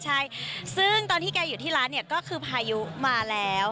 ใช่ซึ่งตอนที่แกอยู่ที่ร้านเนี่ยก็คือพายุมาแล้ว